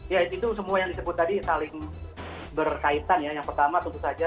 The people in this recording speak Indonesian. ya itu semua yang disebut tadi saling berkaitan ya yang pertama tentu saja